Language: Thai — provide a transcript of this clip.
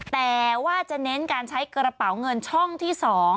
แต่ว่าจะเน้นการใช้กระเป๋าเงินช่องที่๒